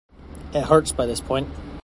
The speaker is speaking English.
It hurts by this point.